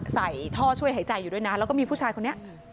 ใส่ท่อช่วยหายใจอยู่ด้วยนะแล้วก็มีผู้ชายคนนี้